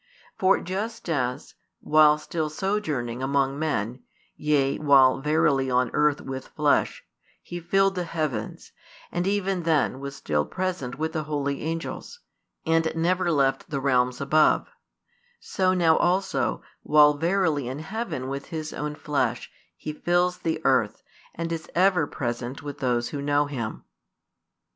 For just as, while still sojourning among men, yea, while verily on earth with flesh, He filled the heavens, and even then was still present with the holy angels, and never left the realms above; so now also, while verily in heaven with His own flesh, He fills the earth, and is ever present with those who know Him.